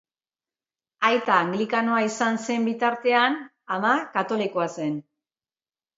Aita anglikanoa izan zen bitartean, ama katolikoa zen.